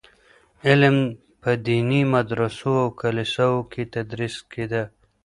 علم په ديني مدرسو او کليساوو کي تدريس کيده.